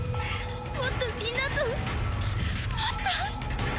もっとみんなともっと。